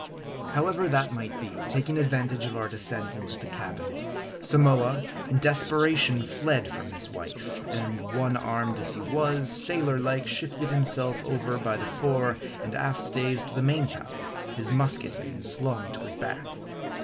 However that might be, taking advantage of our descent into the cabin, Samoa, in desperation fled from his wife, and one armed as he was, sailor like, shifted himself over by the fore and aft stays to the main top, his musket being slung to his back.